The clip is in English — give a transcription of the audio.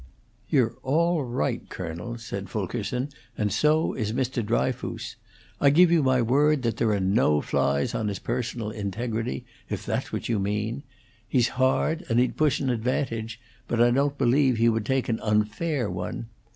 "You're all right, colonel," said Fulkerson, "and so is Mr. Dryfoos. I give you my word that there are no flies on his personal integrity, if that's what you mean. He's hard, and he'd push an advantage, but I don't believe he would take an unfair one.